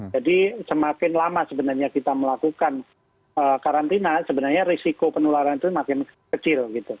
jadi semakin lama sebenarnya kita melakukan karantina sebenarnya risiko penularan itu makin kecil